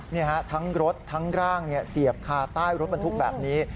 นี่ฮะทั้งรถทั้งร่างเสียบคาใต้รถบรรทุกแบบนี้